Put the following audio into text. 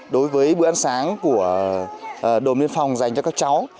đối với bữa ăn sáng của đồn biên phòng dành cho các cháu